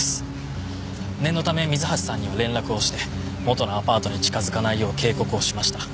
念のため水橋さんには連絡をして元のアパートに近づかないよう警告をしました。